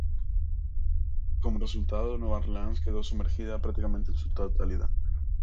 Como resultado, Nueva Orleans quedó sumergida prácticamente en su totalidad.